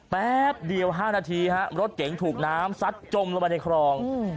แป๊บเดียว๕นาทีฮะรถเก๋งถูกน้ำซัดจมลงไปในคลอง